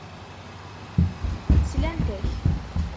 Slant-ak.